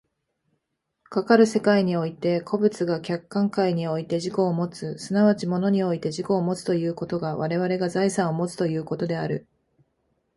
かかる世界において個物が客観界において自己をもつ、即ち物において自己をもつということが我々が財産をもつということである。